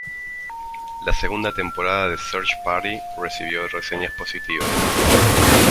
La segunda temporada de "Search Party" recibió reseñas positivas.